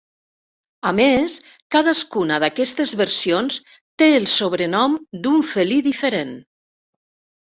A més, cadascuna d'aquestes versions té el sobrenom d'un felí diferent.